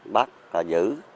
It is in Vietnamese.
bắt và giữ